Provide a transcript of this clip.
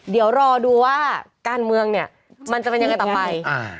เดี๋ยวรอดูว่าการเมืองเนี่ยมันจะเป็นยังไงต่อไป